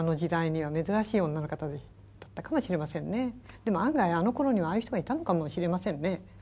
でも案外あのころにはああいう人がいたのかもしれませんね。